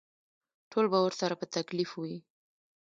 ټول به ورسره په تکلیف وي.